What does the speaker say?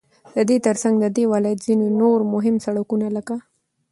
ددې ترڅنگ ددې ولايت ځينو نور مهم سړكونه لكه: